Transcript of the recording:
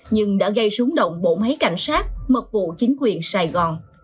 nhưng đã gây xuống động bộ máy cảnh sát mật vụ chính quyền sài gòn